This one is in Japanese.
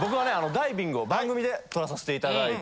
ダイビングを番組で取らさせて頂いて。